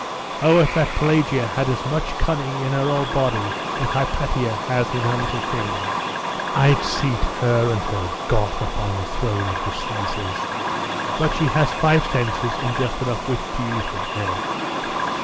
Oh, if that Pelagia had as much cunning in her whole body as Hypatia has in her little finger, I'd seat her and her Goth upon the throne of the Caesars. But ' 'But she has five senses, and just enough wit to use them, eh?